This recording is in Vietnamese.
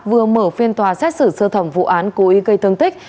vừa mở phiên tòa xét xử sơ thẩm vụ án cố ý gây thương tích